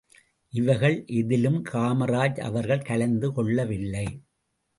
இவைகள் எதிலும் காமராஜ் அவர்கள் கலந்து கொள்ளவில்லை.